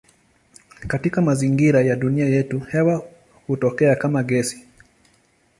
Katika mazingira ya dunia yetu hewa hutokea kama gesi.